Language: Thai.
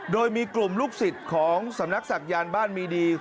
โดยมีกลุ่มลูกศิษย์ของสำนักศักยานบ้านมีดี